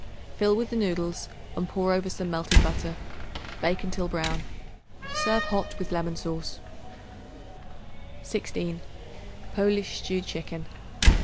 Fill with the noodles and pour over some melted butter. Bake until brown. Serve hot with lemon sauce. 16. Polish Stewed Chicken.